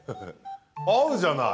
合うじゃない。